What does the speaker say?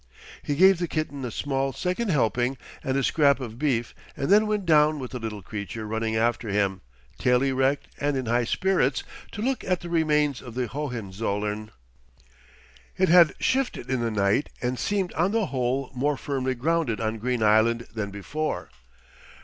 He gave the kitten a small second helping and a scrap of beef and then went down with the little creature running after him, tail erect and in high spirits, to look at the remains of the Hohenzollern. It had shifted in the night and seemed on the whole more firmly grounded on Green Island than before.